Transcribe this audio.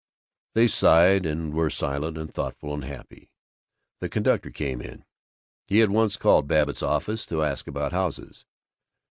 They sighed, and were silent and thoughtful and happy. The conductor came in. He had once called at Babbitt's office, to ask about houses.